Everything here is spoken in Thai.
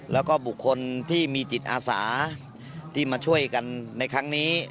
แล้วก็บุคคลที่มีจิตอาสาที่มาช่วยกันในครั้งนี้